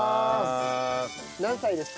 何歳ですか？